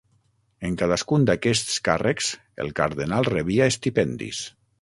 En cadascun d'aquests càrrecs el cardenal rebia estipendis.